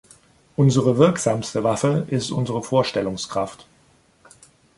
Unsere wirksamste Waffe ist unsere Vorstellungskraft.